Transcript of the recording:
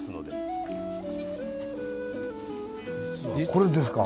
これですか。